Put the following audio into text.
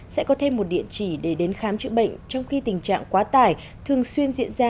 sẽ có thêm một địa chỉ để đến khám chữa bệnh trong khi tình trạng quá tải thường xuyên diễn ra